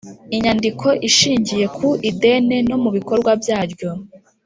Inyandiko ishingiye ku idine no mu bikorwa byaryo